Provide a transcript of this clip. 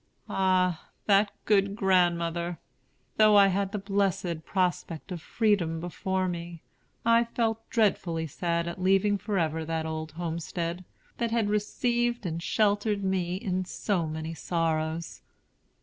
Ah, that good grandmother! Though I had the blessed prospect of freedom before me, I felt dreadfully sad at leaving forever that old homestead, that had received and sheltered me in so many sorrows.